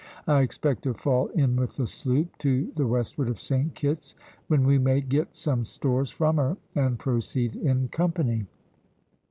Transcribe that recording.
I expect to fall in with the sloop to the westward of Saint Kitt's, when we may get some stores from her and proceed in company."